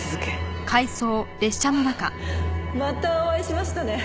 あっまたお会いしましたね。